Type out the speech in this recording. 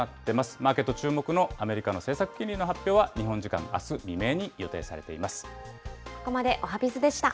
マーケット注目のアメリカの政策金利の発表は、日本時間あす未明に予定されています。